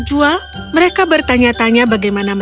jika boleh aku menyela aku punya ide